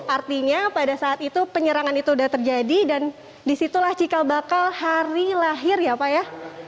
artinya pada saat itu penyerangan itu sudah terjadi dan disitulah cikal bakal hari lahir ya pak ya